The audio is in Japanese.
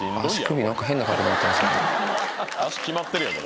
足決まってるやろ。